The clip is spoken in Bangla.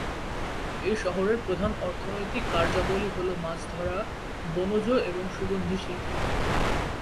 এই শহরের প্রধান অর্থনৈতিক কার্যাবলী হলো মাছ ধরা, বনজ এবং সুগন্ধি শিল্প।